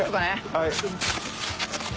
はい。